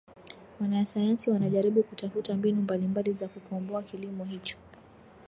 Wanasayansi wanajaribu kutafuta mbinu mbalimbali za kukomboa kilimo hicho